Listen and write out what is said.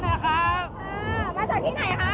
มาจากที่ไหนคะ